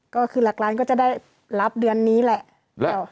ก็คือหลักล้านก็จะได้รับเดือนนี้แหละ